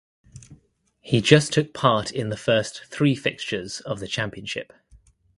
He just took part in the first three fixtures of the championship.